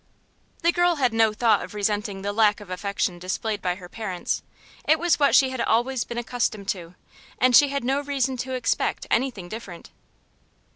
The girl had no thought of resenting the lack of affection displayed by her parents. It was what she had always been accustomed to, and she had no reason to expect anything different.